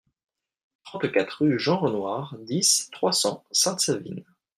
trente-quatre rue Jean Renoir, dix, trois cents, Sainte-Savine